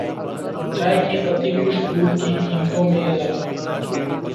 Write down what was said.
چائے کی پتی خشک دودھ کی قیمتوں میں اضافہ